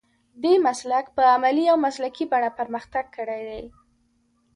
دې مسلک په عملي او مسلکي بڼه پرمختګ کړی دی.